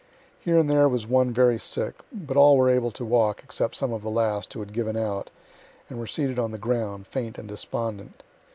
Here and there was one very sick; but all were able to walk, except some of the last, who had given out, and were seated on the ground, faint and despondent.